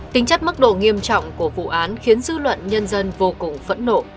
tính chất mức độ nghiêm trọng của vụ án khiến dư luận nhân dân vô cùng phẫn nộ